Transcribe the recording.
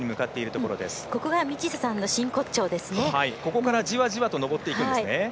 ここからじわじわと上っていくんですね。